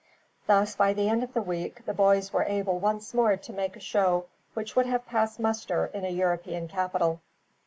Thus, by the end of the week, the boys were able once more to make a show which would have passed muster in a European capital.